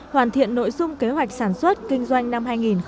hoàn thiện nội dung kế hoạch sản xuất kinh doanh năm hai nghìn một mươi tám